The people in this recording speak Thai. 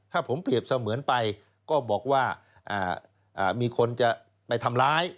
ถ้าผมเปรียบเสมือนไปก็บอกว่ามีคนจะไปทำร้าย